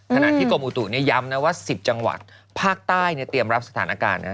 ขณะที่กรมอุตุเนี่ยย้ำนะว่า๑๐จังหวัดภาคใต้เตรียมรับสถานการณ์นะ